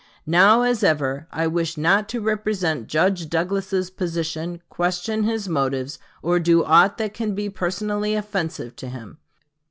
Now as ever, I wish not to misrepresent Judge Douglas's position, question his motives, or do aught that can be personally offensive to him.